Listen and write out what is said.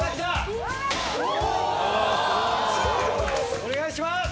お願いします！